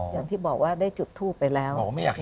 อย่างที่บอกว่าได้จุดทูปไปแล้ว